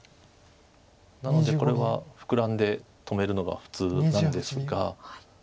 なのでこれはフクラんで止めるのが普通なんですが。